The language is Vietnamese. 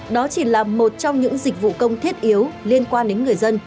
đó chỉ là một trong những dịch vụ công thiết yếu liên quan đến người dân